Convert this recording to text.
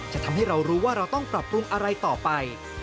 จะทำให้เรารู้ว่าเราต้องปรับปรุงอะไรต่อไป